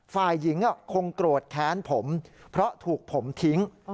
ฝ่ายหญิงคงโกรธแค้นผมเพราะถูกผมทิ้ง